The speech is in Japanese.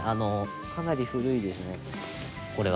かなり古いですね、これは。